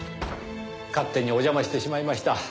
勝手にお邪魔してしまいました。